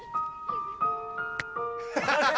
ハハハハ！